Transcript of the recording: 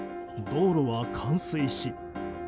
道路は冠水し。